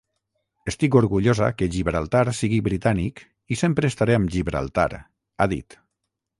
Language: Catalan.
Estic orgullosa que Gibraltar sigui britànic i sempre estaré amb Gibraltar, ha dit.